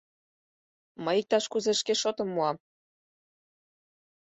— Мый иктаж-кузе шке шотым муам...